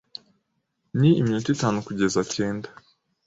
Ni iminota itanu kugeza cyenda.